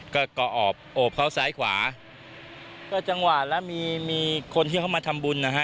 ก็ก็ออบโอบเขาซ้ายขวาก็จังหวะแล้วมีมีคนที่เขามาทำบุญนะฮะ